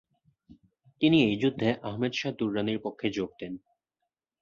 তিনি এই যুদ্ধে আহমেদ শাহ দুররানির পক্ষে যোগ দেন।